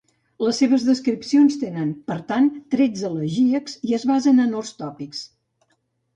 Les seves descripcions tenen per tant trets elegíacs i es basen en els tòpics.